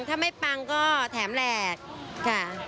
ถ้าไม่ปังก็แถมแหลกค่ะ